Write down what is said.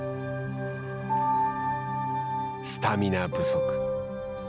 スタミナ不足。